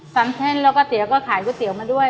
ฟังเท่นแล้วก็เตี๋ยก็ขายก๋วยเตี๋ยวมาด้วย